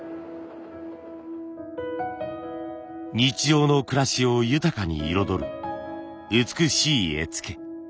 日常の暮らしを豊かに彩る美しい絵付け。